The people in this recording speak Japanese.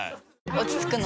落ち着くの？